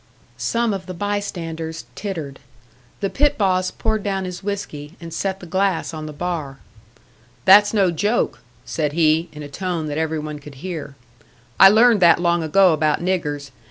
Some of the bystanders tittered. The pit boss poured down his whiskey, and set the glass on the bar. "That's no joke," said he, in a tone that every one could hear. "I learned that long ago about niggers.